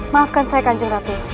maafkan saya kanjeng ratu